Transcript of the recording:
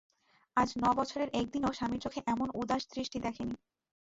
আজ ন বছরে একদিনও স্বামীর চোখে এমন উদাস দৃষ্টি দেখি নি।